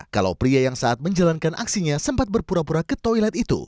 kalau pria yang saat menjalankan aksinya sempat berpura pura ke toilet itu